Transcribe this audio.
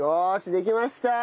できました。